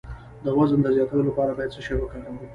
د وزن د زیاتولو لپاره باید څه شی وکاروم؟